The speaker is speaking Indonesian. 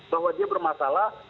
bahwa dia bermasalah